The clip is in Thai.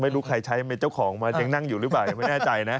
ไม่รู้ใครใช้เจ้าของมายังนั่งอยู่หรือเปล่ายังไม่แน่ใจนะ